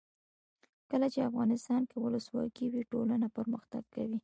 کله چې افغانستان کې ولسواکي وي ټولنه پرمختګ کوي.